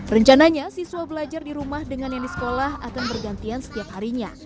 rencananya siswa belajar di rumah dengan yang di sekolah akan bergantian setiap harinya